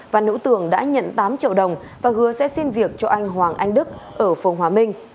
và nữ tường đã nhận tám triệu đồng và hứa sẽ xin việc cho anh hoàng anh đức ở phương hóa minh